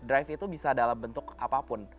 drive itu bisa dalam bentuk apapun